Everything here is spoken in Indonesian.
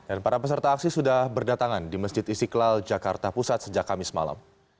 dan para peserta aksi sudah berdatangan di masjid isiklal jakarta pusat sejak kamis malam